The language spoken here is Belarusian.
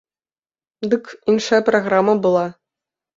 Дык іншая праграма была.